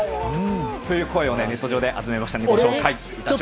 という声をネット上で集めました。